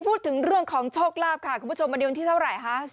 พูดถึงเรื่องของโชคลาภค่ะคุณผู้ชมมาดูวันที่เท่าไหร่คะ